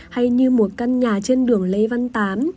hay như một căn nhà trên đường lê văn tám